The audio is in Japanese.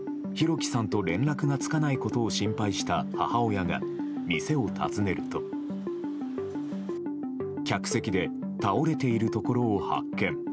輝さんと連絡がつかないことを心配した母親が店を訪ねると客席で倒れているところを発見。